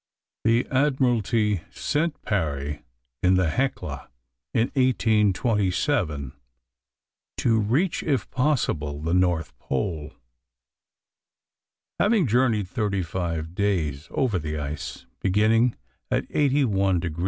The Admiralty sent Parry, in the Hecla, in 1827, to reach, if possible, the North Pole. Having journeyed thirty five days over the ice, beginning at 81 deg.